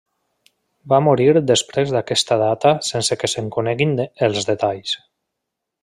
Va morir després d'aquesta data sense que se'n coneguin els detalls.